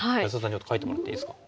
ちょっと書いてもらっていいですか？